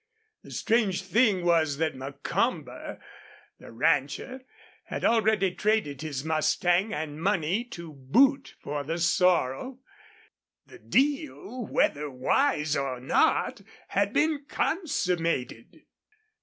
The strange thing was that Macomber, the rancher, had already traded his mustang and money to boot for the sorrel. The deal, whether wise or not, had been consummated.